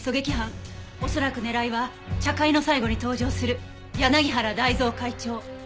恐らく狙いは茶会の最後に登場する柳原大造会長。